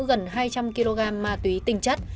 gần hai trăm linh kg ma túy tinh chất